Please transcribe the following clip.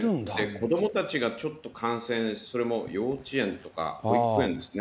子どもたちがちょっと感染して、幼稚園とか保育園ですね。